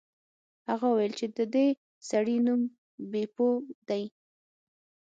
هغه وویل چې د دې سړي نوم بیپو دی.